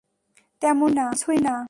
তেমন কিছুই না।